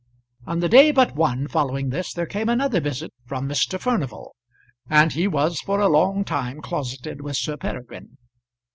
On the day but one following this there came another visit from Mr. Furnival, and he was for a long time closeted with Sir Peregrine.